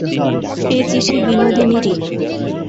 এ চিঠি বিনোদিনীরই।